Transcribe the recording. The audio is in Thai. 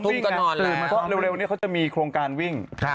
ไม่รู้เลยส่องมื้งอ่าเหล้าเร็ววันนี้เขาจะมีโครงการวิ่ง